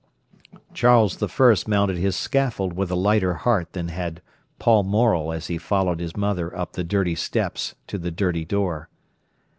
Charles I. mounted his scaffold with a lighter heart than had Paul Morel as he followed his mother up the dirty steps to the dirty door.